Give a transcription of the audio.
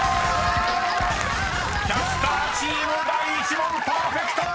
［キャスターチーム第１問パーフェクト！］